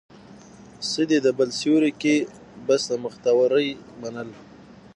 څه دي د بل سيوري کې، بس د مختورۍ منل